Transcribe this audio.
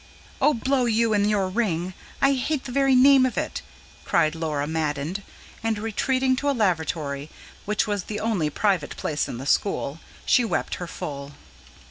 "Oh, blow you and your ring! I hate the very name of it," cried Laura, maddened. And retreating to a lavatory, which was the only private place in the school, she wept her full.